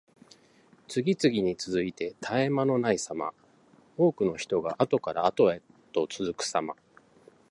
次々に続いて絶え間のないさま。多くの人があとからあとへと続くさま。